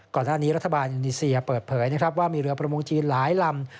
ก่อนหน้านี้รัฐบาลอินุนีเซียเปิดเผยว่ามีเรือประมงจีนหลายลำ